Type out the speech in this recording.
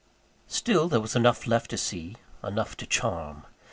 Still there was enough left to see enough to charm.